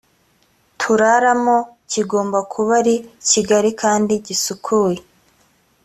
turaramo kigomba kuba ari kigari kandi gisukuye